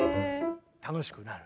楽しくなる。